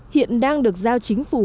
hiện đang được giao chính phủ